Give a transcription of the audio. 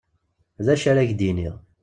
D acu ara k-d-iniɣ.